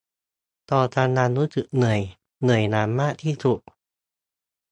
ตอนกลางวันรู้สึกเหนื่อย เหนื่อยอย่างมากที่สุด